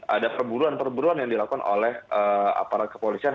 ada perburuan perburuan yang dilakukan oleh aparat kepolisian